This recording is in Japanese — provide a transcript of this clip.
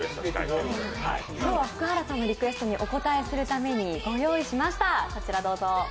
今日は福原さんのリクエストにお応えするために御用意しました。